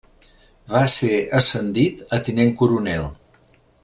Va ser ascendit a tinent coronel.